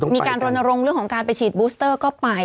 มีการรณรงค์เรื่องของการไปฉีดบูสเตอร์ก็ไป